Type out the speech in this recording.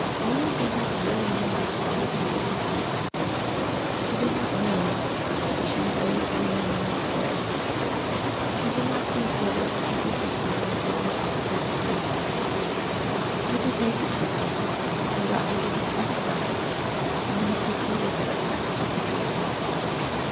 Lena did not really know that she did not like it. She did not know that she was always dreamy and not there. She did not think whether it would be different for her away off there in Bridgepoint. Mrs. Haydon took her and got her different kinds of dresses, and then took her with them to the steamer.